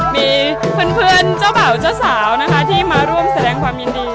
มีเพื่อนเจ้าบ่าวเจ้าสาวนะคะที่มาร่วมแสดงความยินดี